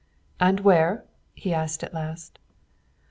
"And where?" he asked at last.